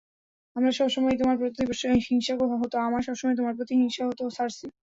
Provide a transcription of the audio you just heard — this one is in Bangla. আমরা সবসময়ই তোমার প্রতি হিংসা হতো, সার্সি।